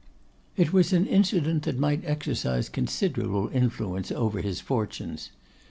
It was an incident that might exercise considerable influence over his fortunes.